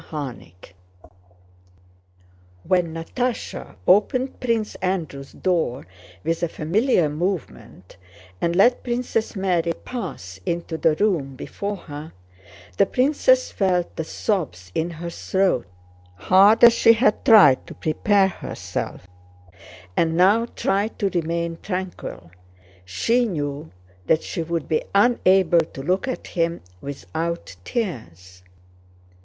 CHAPTER XV When Natásha opened Prince Andrew's door with a familiar movement and let Princess Mary pass into the room before her, the princess felt the sobs in her throat. Hard as she had tried to prepare herself, and now tried to remain tranquil, she knew that she would be unable to look at him without tears.